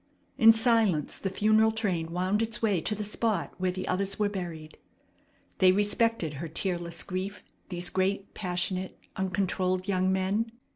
In silence the funeral train wound its way to the spot where the others were buried. They respected her tearless grief, these great, passionate, uncontrolled young men.